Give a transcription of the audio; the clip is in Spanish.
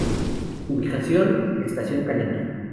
Ubicación: Estación Canina.